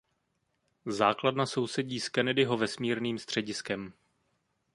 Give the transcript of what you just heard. Základna sousedí s Kennedyho vesmírným střediskem.